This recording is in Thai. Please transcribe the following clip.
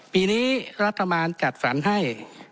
ปีนี้รัฐบาลจัดสรรให้